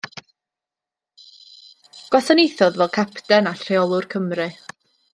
Gwasanaethodd fel capten a rheolwr Cymru.